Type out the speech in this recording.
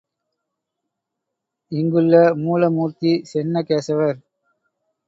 இங்குள்ள மூல மூர்த்தி சென்ன கேசவர்.